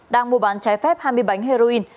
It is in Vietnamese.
đang mua bán trái phép hai mươi bánh heroin